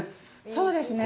そうですね。